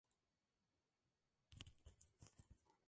Además la autoridad era compartida con su segundo.